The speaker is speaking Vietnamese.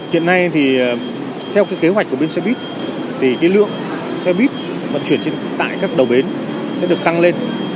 hiện nay thì theo kế hoạch của bên xe buýt thì cái lượng xe buýt vận chuyển trên tải các đầu bến sẽ được tăng lên